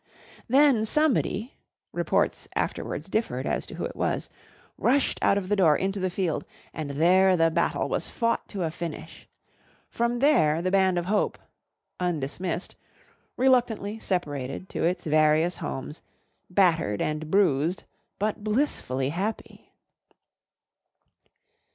Then somebody (reports afterwards differed as to who it was) rushed out of the door into the field and there the battle was fought to a finish. From there the Band of Hope (undismissed) reluctantly separated to its various homes, battered and bruised, but blissfully happy.